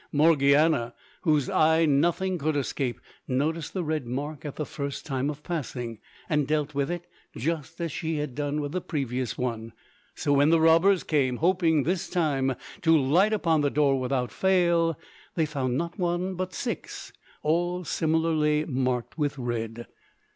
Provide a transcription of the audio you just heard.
Morgiana, whose eye nothing could escape, noticed the red mark at the first time of passing, and dealt with it just as she had done with the previous one. So when the robbers came, hoping this time to light upon the door without fail, they found not one but six all similarly marked with red.